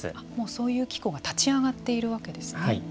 そういう機構が立ち上がっているわけですね。